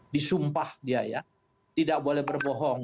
disumpah dia ya tidak boleh berbohong